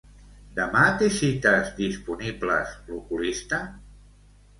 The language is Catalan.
Demà té cites disponibles l'oculista?